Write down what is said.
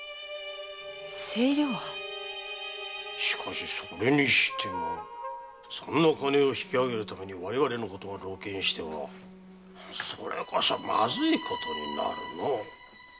しかしそれにしてもそんな金を引き上げるために我々のことが露見してはそれこそまずいことになるのう。